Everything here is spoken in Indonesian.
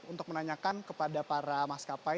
untuk menanyakan kepada para maskapai